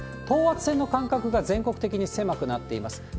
等圧線の間隔が全国的に狭くなっています。